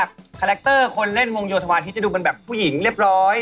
คาแรคเตอร์คนเล่นวงโยธวาทิศจะดูเป็นแบบผู้หญิงเรียบร้อย